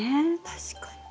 確かに。